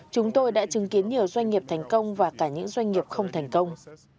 chúng tôi đã chứng kiến nhiều doanh nghiệp thành công và cả những doanh nghiệp không thành công